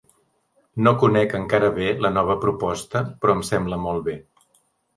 No conec encara bé la nova proposta, però em sembla molt bé.